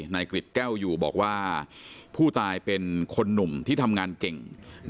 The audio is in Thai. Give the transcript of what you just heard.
กริจแก้วอยู่บอกว่าผู้ตายเป็นคนหนุ่มที่ทำงานเก่ง